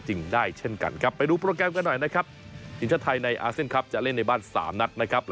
เช่นเดียวกับผู้เล่นในตำแหน่งอื่นนะครับ